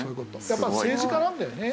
やっぱ政治家なんだよね。